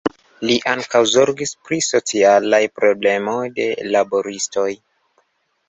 Li ankaŭ zorgis pri socialaj problemoj de laboristoj.